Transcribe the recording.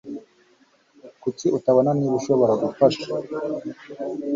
Kuki utabona niba ushobora gufasha ?